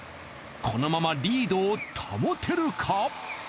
このままリードを保てるか？